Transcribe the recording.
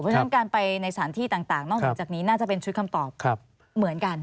เพราะฉะนั้นการไปในสถานที่ต่างนอกเหนือจากนี้น่าจะเป็นชุดคำตอบเหมือนกัน